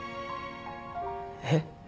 えっ？